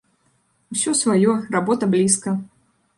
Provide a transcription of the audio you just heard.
Усё сваё, работа блізка.